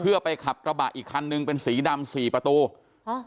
เพื่อไปขับกระบะอีกคันนึงเป็นสีดำสี่ประตูฮะ